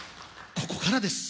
ここからです。